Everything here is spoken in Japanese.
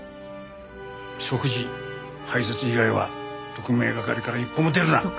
食事排泄以外は特命係から一歩も出るな。